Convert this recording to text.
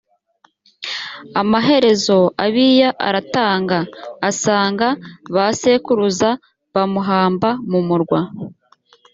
amaherezo abiya aratanga asanga ba sekuruza bamuhamba mu murwa